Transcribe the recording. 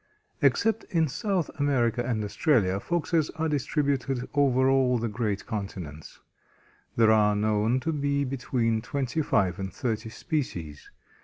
Except in South America and Australia, Foxes are distributed over all the great continents. There are known to be between twenty five and thirty species.